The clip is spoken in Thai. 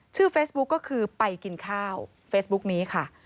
เฟซบุ๊คก็คือไปกินข้าวเฟซบุ๊กนี้ค่ะ